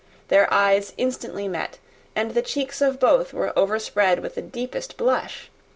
Their eyes instantly met, and the cheeks of each were overspread with the deepest blush.